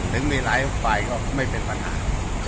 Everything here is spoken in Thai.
ในหลายฝ่ายก็ไม่เป็นปัญหา